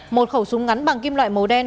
một khẩu súng ngắn bằng kim loại màu đen